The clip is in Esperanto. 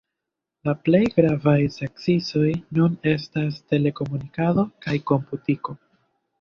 La plej gravaj sekcioj nun estas telekomunikado kaj komputiko.